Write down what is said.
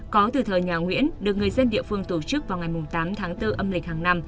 có từ thời nhà nguyễn được người dân địa phương tổ chức vào ngày tám tháng bốn âm lịch hàng năm